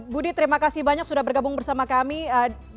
budi terima kasih banyak sudah bergabung bersama kami